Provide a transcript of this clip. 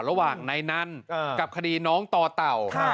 ระหว่างในนั้นกับคดีน้องต่อเต่า